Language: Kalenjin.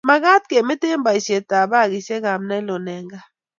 Kimakat kemete baisiet ab bagisiek abnailon eng kaa.